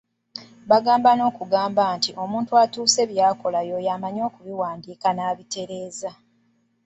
Bagamba n'okugamba nti: Omuntu atuusa by'akola ye oyo amanyi okubiwandiika n'abitereeza.